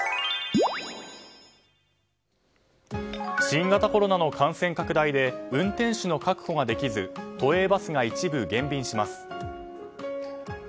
新型コロナの感染拡大で運転手の確保ができず都営バスが一部減便します。